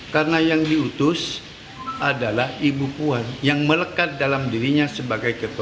karena yang diutus adalah ibu puan yang melekat dalam dirinya sebagai ketua dpr